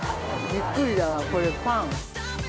びっくりだわ、これパン。